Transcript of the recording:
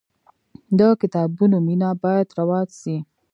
د کتابونو مینه باید رواج سي.